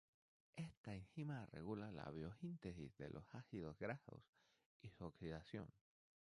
Esta enzima regula la biosíntesis de los ácidos grasos y su oxidación.